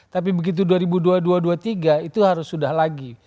tapi begitu dua ribu dua puluh dua dua puluh tiga itu harus sudah lagi